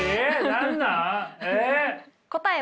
何なん？え。